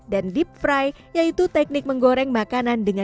dan deep fry yaitu teknik menggoreng makanan dengan sedikit minyak